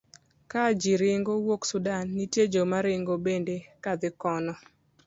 ka ji ringo wuok Sudan, nitie joma ringo bende kadhi kono.